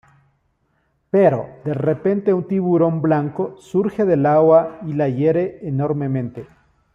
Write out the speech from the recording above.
Pero, de repente, un tiburón blanco surge del agua y la hiere enormemente.